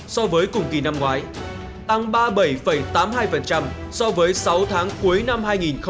so với cùng kỳ năm ngoái tăng ba mươi bảy tám mươi hai so với sáu tháng cuối năm hai nghìn một mươi chín